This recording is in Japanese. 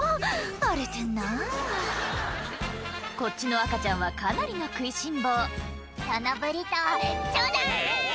荒れてんなぁこっちの赤ちゃんはかなりの食いしん坊「そのブリトーちょうだい！」